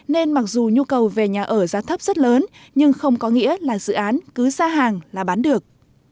nên mặc dù nhu cầu về nhà ở giá thấp rất lớn nhưng không có nghĩa là dự án cứ ra hàng là bán được